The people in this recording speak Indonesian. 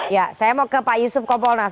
ya saya mau ke pak yusuf kompolnas